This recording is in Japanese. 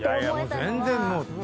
全然もう。